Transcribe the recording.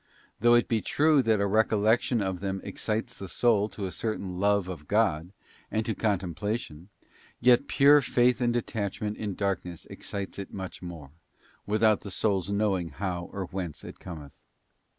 Though it be true that the recollection of them excites the soul to a certain love of God, and to Contemplation, yet pure faith and detachment in darkness excites it much more, without the soul's know ing how or whence it cometh.